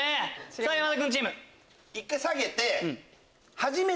さぁ山田君チーム。